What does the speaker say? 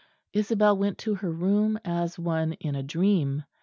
Isabel went to her room as one in a dream.